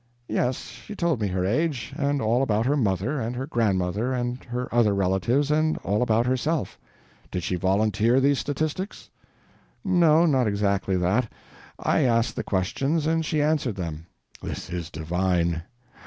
"Yes, she told me her age, and all about her mother, and her grandmother, and her other relations, and all about herself." "Did she volunteer these statistics?" "No, not exactly that. I asked the questions and she answered them." "This is divine.